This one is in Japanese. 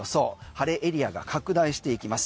晴れエリアが拡大していきます。